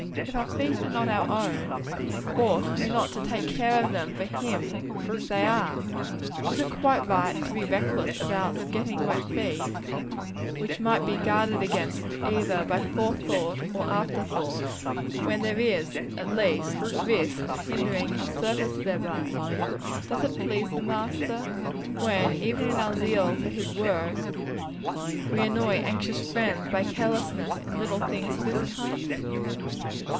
If our feet are not our own, ought we not to take care of them for Him whose they are? Is it quite right to be reckless about 'getting wet feet,' which might be guarded against either by forethought or afterthought, when there is, at least, a risk of hindering our service thereby? Does it please the Master when even in our zeal for His work we annoy anxious friends by carelessness in little things of this kind?